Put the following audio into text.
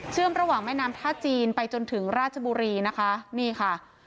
ระหว่างแม่น้ำท่าจีนไปจนถึงราชบุรีนะคะนี่ค่ะ